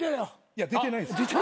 いや出てないです。